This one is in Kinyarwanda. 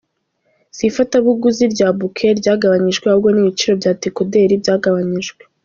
Si ifatabuguzi rya Bouquets ryagabanyijwe ahubwo n’ibiciro bya dekodeli byagabanyijwe.